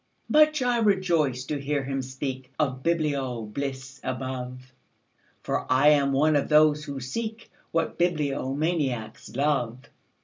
Much I rejoiced to hear him speakOf biblio bliss above, For I am one of those who seekWhat bibliomaniacs love.